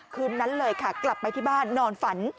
คืนนั้นเลยค่ะกลับไปที่บ้านนอนฝัน